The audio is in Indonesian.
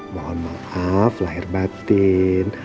mohon maaf lahir batin